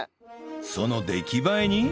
その出来栄えに